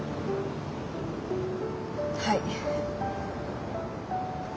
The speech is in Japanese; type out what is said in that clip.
はい。